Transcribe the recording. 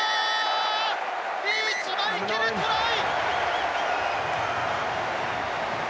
リーチマイケル、トライ！